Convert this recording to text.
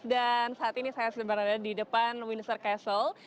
dan saat ini saya sedang berada di depan windsor castle